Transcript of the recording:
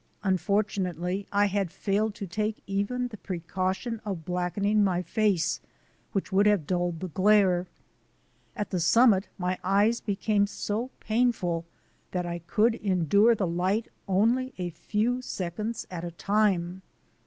Unfortu nately, I had failed to take even the precaution of blackening my face, which would have dulled the glare. At the summit my eyes became so painful that I could endure the light only a lew seconds at a time.